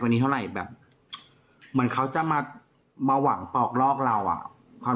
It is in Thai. วันนี้เท่าไหร่แบบเหมือนเขาจะมามาหวังปอกลอกเราอ่ะความ